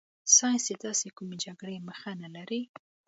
ساینس د داسې کومې جګړې مخه نه لري.